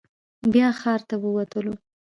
بیا ښار ته ووتلو.